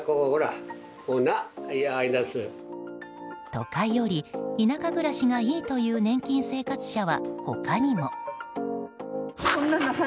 都会より田舎暮らしがいいという年金生活者は他にも。